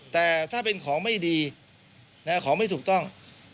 แต่ถ้าเป็นของไม่ดีของไม่ถูกต้อง